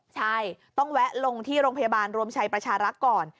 ใช่ต้องแวะลงที่โรงพยาบาลรวมชัยประชารักษ์ก่อน